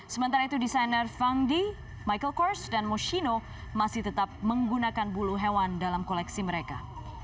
sementara itu desainer fandi michael kors dan moshino masih tetap menggunakan bulu hewan dalam koleksi mereka